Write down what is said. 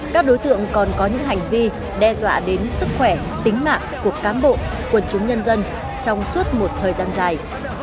các đối tượng còn có những hành vi đe dọa đến sức khỏe tính mạng của cám bộ quần chúng nhân dân trong suốt một thời gian dài